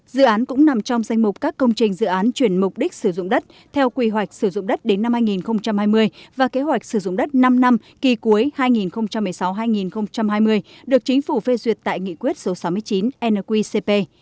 dự án cũng nằm trong danh mục các công trình dự án chuyển mục đích sử dụng đất theo quy hoạch sử dụng đất đến năm hai nghìn hai mươi và kế hoạch sử dụng đất năm năm kỳ cuối hai nghìn một mươi sáu hai nghìn hai mươi được chính phủ phê duyệt tại nghị quyết số sáu mươi chín nqcp